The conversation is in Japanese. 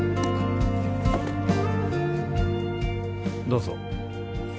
どうぞ